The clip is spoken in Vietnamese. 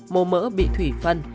mồ mỡ bị thủy phân